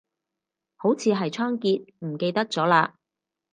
好似係倉頡，唔記得咗嘞